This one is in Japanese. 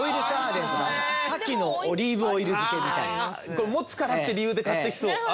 これ持つかなって理由で買ってきそう。